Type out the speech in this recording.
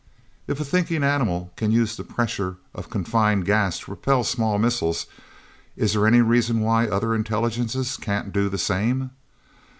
If a thinking animal can use the pressure of a confined gas to propel small missiles, is there any reason why other intelligences can't do the same?